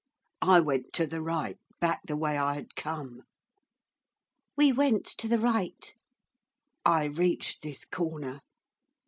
I went to the right, back the way I had come.' We went to the right. 'I reached this corner.